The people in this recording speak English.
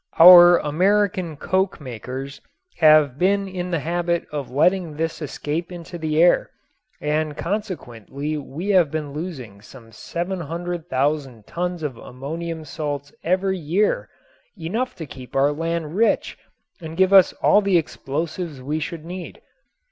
Our American coke makers have been in the habit of letting this escape into the air and consequently we have been losing some 700,000 tons of ammonium salts every year, enough to keep our land rich and give us all the explosives we should need.